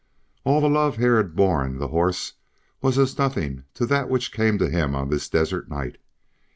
All the love Hare had borne the horse was as nothing to that which came to him on this desert night.